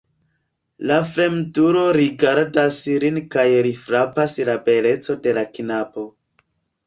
La fremdulo rigardas lin kaj lin frapas la beleco de la knabo.